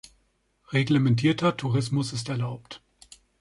Reglementierter Tourismus ist erlaubt.